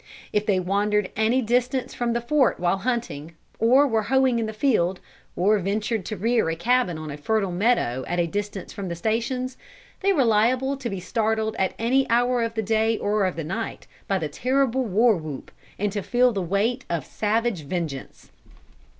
If they wandered any distance from the fort while hunting, or were hoeing in the field, or ventured to rear a cabin on a fertile meadow at a distance from the stations, they were liable to be startled at any hour of the day or of the night by the terrible war whoop, and to feel the weight of savage vengeance.